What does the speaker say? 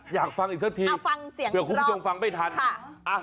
อยากฟังอีกสักทีเผื่อคุณผู้ชมฟังไม่ทัน